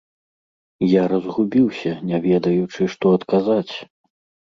Я разгубіўся, не ведаючы, што адказаць.